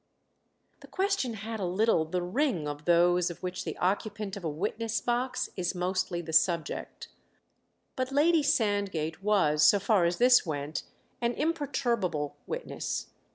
The question had a little the ring of those of which the occupant of a witness box is mostly the subject, but Lady Sandgate was so far as this went an imperturbable witness.